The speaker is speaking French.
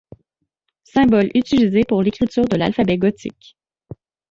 Symboles utilisés pour l'écriture de l’alphabet gotique.